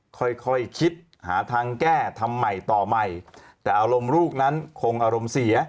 ค่อยค่อยคิดหาทางแก้ทำใหม่ต่อใหม่แต่อารมณ์ลูกนั้นคงอารมณ์เสีย